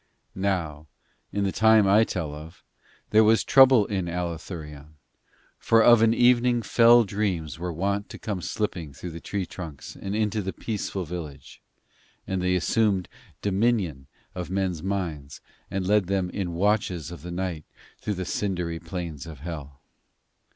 Now in the time I tell of, there was trouble in Allathurion, for of an evening fell dreams were wont to come slipping through the tree trunks and into the peaceful village; and they assumed dominion of men's minds and led them in watches of the night through the cindery plains of Hell.